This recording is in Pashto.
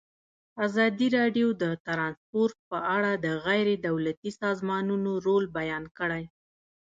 ازادي راډیو د ترانسپورټ په اړه د غیر دولتي سازمانونو رول بیان کړی.